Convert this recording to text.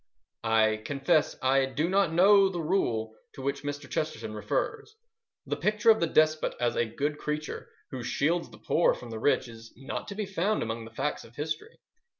I confess I do not know the "rule" to which Mr. Chesterton refers. The picture of the despot as a good creature who shields the poor from the rich is not to be found among the facts of history.